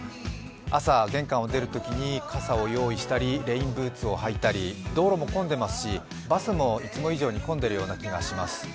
朝、玄関を出るときに傘を用意したりレインブーツを履いたり、道路も混んでいますし、バスもいつも以上に混んでいる気がします。